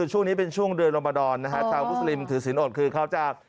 ช่วงนี้เป็นช่วงเดือนรมดรนะฮะชาวมุสลิมถือศิลปอดคือเขาจะ